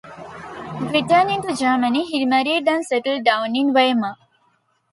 Returning to Germany, he married and settled down in Weimar.